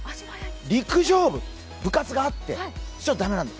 陸上部、部活があって、駄目なの。